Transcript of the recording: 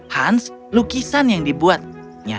hans lukisan yang dibuatnya